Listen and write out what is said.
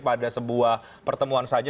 pada sebuah pertemuan saja